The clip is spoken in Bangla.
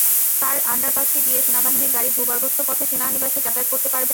কার আন্ডারপাসটি দিয়ে সেনাবাহিনীর গাড়ি ভূগর্ভস্থ পথে সেনানিবাসে যাতায়াত করতে পারবে।